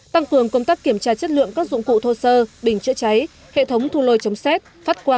tăng cường công tác kiểm tra chất lượng các dụng cụ thô sơ bình chữa cháy hệ thống thu lôi chống xét phát qua